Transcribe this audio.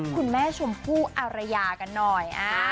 คุณแม่ชมพู่อารยากันหน่อย